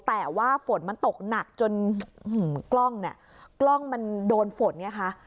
แต่ว่าฝนมันตกหนักจนกล้องเนี่ยกล้องมันโดนฝนไงคะ